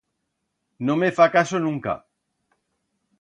No me fa caso nunca.